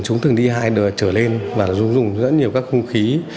chúng thường đi hai đời trở lên và rung rung rất nhiều các khung khí